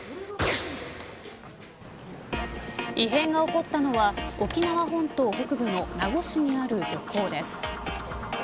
異変が起こったのは、沖縄本島北部の名護市にある漁港です